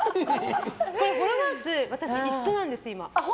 フォロワー数、私一緒なんです。